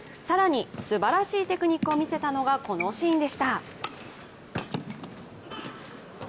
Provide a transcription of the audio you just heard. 更にすばらしいテクニックを見せたのが、このシーンでした。